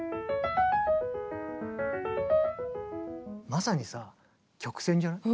まさにさ曲線じゃん。